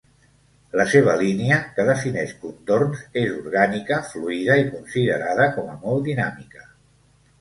La seva línia, que defineix contorns, és orgànica, fluida i considerada com a molt dinàmica.